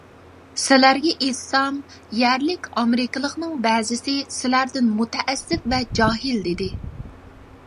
سىلەرگە ئېيتسام، يەرلىك ئامېرىكىلىقنىڭ بەزىسى سىلەردىن مۇتەئەسسىپ ۋە جاھىل، دېدى.